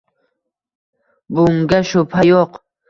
Bunga shubha yo‘q.